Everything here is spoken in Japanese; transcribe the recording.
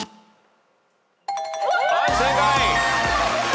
はい正解。